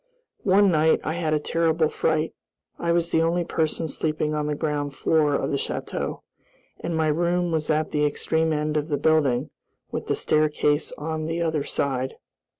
One night I had a terrible fright. I was the only person sleeping on the ground floor of the château, and my room was at the extreme end of the building, with the staircase on the other side.